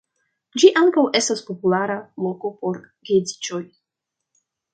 Ĝi ankaŭ estas populara loko por geedziĝoj.